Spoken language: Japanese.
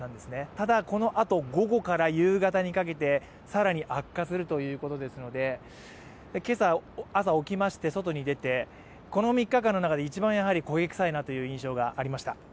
ただ、このあと午後から夕方にかけて更に悪化するということですので、今朝、朝起きまして外に出て、この３日間の中で一番、焦げ臭いなという印象がありました。